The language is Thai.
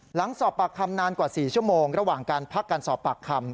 หลังสอบปากคำนานกว่า๔ชั่วโมงระหว่างการพักการสอบปากคำ